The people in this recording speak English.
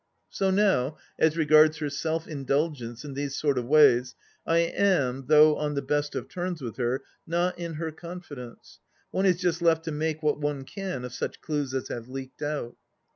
So now, as regards her self indulgence in these sort of ways, I am, though on the best of terms with her, not in her confidence. One is just left to make what one can of such clues as have leaked out.